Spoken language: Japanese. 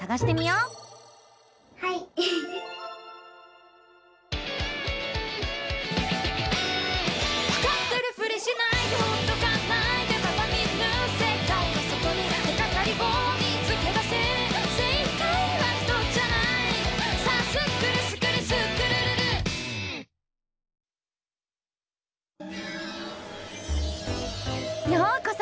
ようこそ！